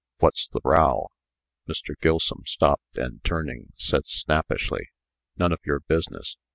what's the row?" Mr. Gilsum stopped, and, turning, said snappishly: "None of yer business.